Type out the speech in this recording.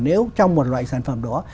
nếu trong một loại sản phẩm đó